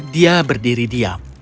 dia berdiri diam